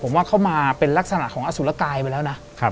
มันมาเป็นลักษณะของอสุรกายไปแล้วนะ